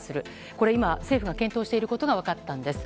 これ今、政府が検討していることが分かったんです。